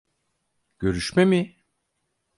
Görüşme mi?